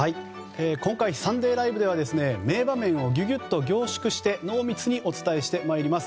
今回「サンデーＬＩＶＥ！！」では名場面をギュギュっと凝縮して濃密にお伝えしてまいります。